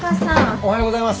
おはようございます。